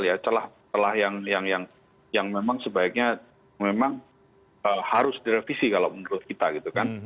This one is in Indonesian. ya celah celah yang memang sebaiknya memang harus direvisi kalau menurut kita gitu kan